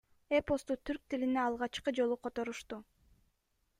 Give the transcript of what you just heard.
Эпосту түрк тилине алгачкы жолу которушту.